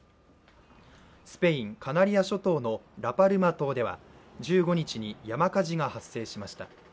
スペイン・カナリア諸島のラ・パルマ島では１５日に山火事が発生しました。